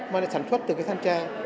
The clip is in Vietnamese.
mà sản xuất từ cái than tra